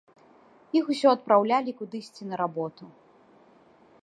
Іх усё адпраўлялі кудысьці на работу.